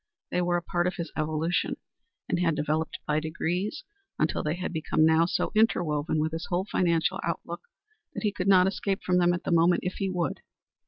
They were a part of his evolution, and had developed by degrees until they had become now so interwoven with his whole financial outlook that he could not escape from them at the moment if he would.